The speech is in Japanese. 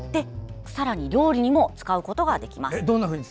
さらに料理にも使うことができます。